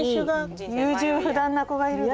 優柔不断な子がいるで。